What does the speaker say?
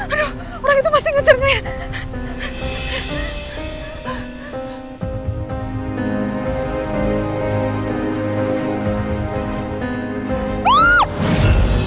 aduh orang itu masih ngecerengain